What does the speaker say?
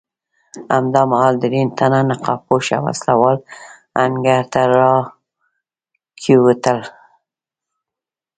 همدا مهال درې تنه نقاب پوشه وسله وال انګړ ته راکېوتل.